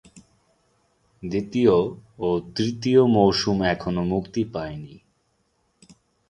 দ্বিতীয় ও তৃতীয় মৌসুম এখনও মুক্তি পায়নি।